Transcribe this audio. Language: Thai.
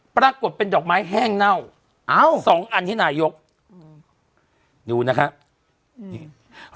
ปรากฏเป็นดอกไม้แห้งเน่าสองอันให้นายยกอยู่นะครับ